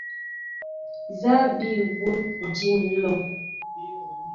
Nza bi wɔɔŋ, din lɔŋ ?